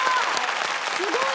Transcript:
すごい！